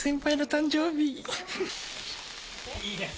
いいです。